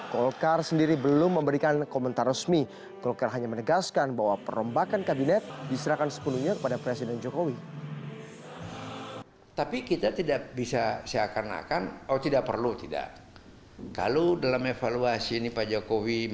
golkar sendiri belum memberikan komentar resmi golkar hanya menegaskan bahwa perombakan kabinet diserahkan sepenuhnya kepada presiden jokowi